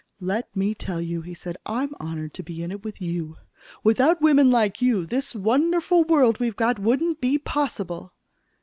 "Let me tell you," he said, "I'm honored to be in it with you. Without women like you, this wonderful world we've got wouldn't be possible."